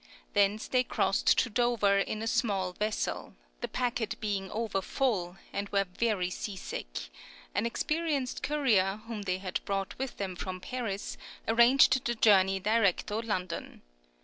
Thence they crossed to Dover in a small vessel, the packet being over full, and were very sea sick; an experienced courier, whom they had brought with them from Paris, arranged the journey direct {LONDON, 1764 65.} (39) to London.